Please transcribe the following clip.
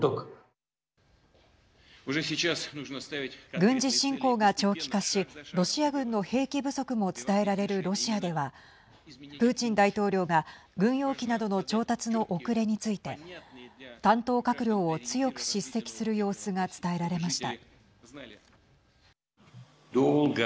軍事侵攻が長期化しロシア軍の兵器不足も伝えられるロシアではプーチン大統領が軍用機などの調達の遅れについて担当閣僚を強く叱責する様子が伝えられました。